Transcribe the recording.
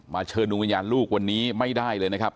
เชิญดวงวิญญาณลูกวันนี้ไม่ได้เลยนะครับ